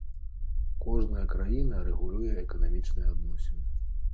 Кожная краіна рэгулюе эканамічныя адносіны.